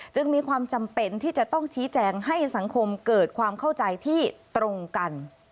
จึงมีความจำเป็นที่จะต้องชี้แจงให้สังคมเกิดความเข้าใจที่ตรงกัน